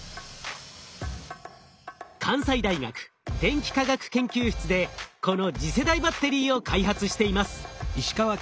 関西大学電気化学研究室でこの次世代バッテリーを開発しています。